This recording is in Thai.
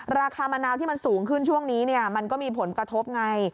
ราคามะนาวที่มันสูงขึ้นช่วงนี้มันก็มีผลกระทบไง